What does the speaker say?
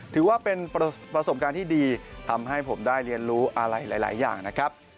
ถือว่าเป็นประสบการณ์ที่ดีทำให้ผมได้เรียนรู้อะไรหลายอย่างนะครับ